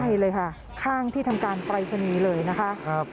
ใช่เลยค่ะข้างที่ทำการปรายศนีย์เลยนะคะ